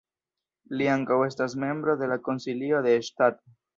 Li ankaŭ estas membro de la Konsilio de Ŝtato.